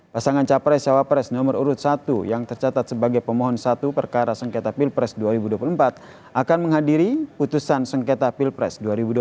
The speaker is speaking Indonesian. pasangan capres cawapres nomor urut satu yang tercatat sebagai pemohon satu perkara sengketa pilpres dua ribu dua puluh empat akan menghadiri putusan sengketa pilpres dua ribu dua puluh